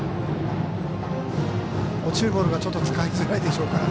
落ちるボールがちょっと使いづらいでしょうから。